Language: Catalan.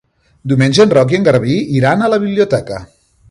Diumenge en Roc i en Garbí iran a la biblioteca.